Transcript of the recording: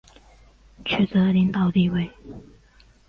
取得领导地位